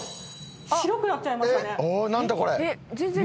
白くなっちゃいましたね。